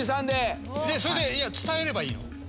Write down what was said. それで伝えればいいの？